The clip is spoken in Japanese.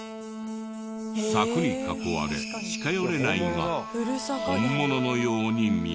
柵に囲われ近寄れないが本物のように見える。